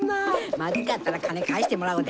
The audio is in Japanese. まずかったら金返してもらうで！